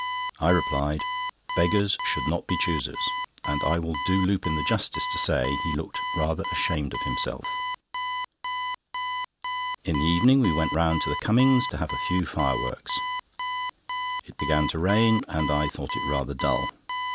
I replied: "Beggars should not be choosers;" and I will do Lupin the justice to say, he looked rather ashamed of himself. In the evening we went round to the Cummings', to have a few fireworks. It began to rain, and I thought it rather dull.